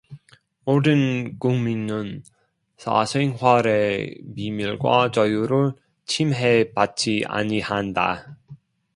모든 국민은 사생활의 비밀과 자유를 침해받지 아니한다.